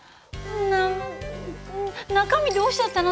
中身どうしちゃったの？